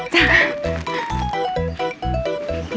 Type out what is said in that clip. จ๊ะ